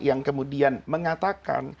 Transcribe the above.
yang kemudian mengatakan